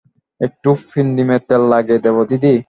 একটু পিন্দিমের তেল লাগিয়ে দেব দিদি?